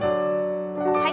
はい。